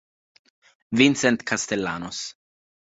Vincent Castellanos